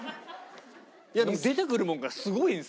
いやでも出てくるものがすごいんですよ。